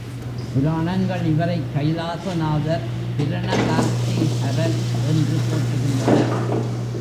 புராணங்கள் இவரைக் Kailasanathar Pranatharthiharar என்று போற்றுகின்றன.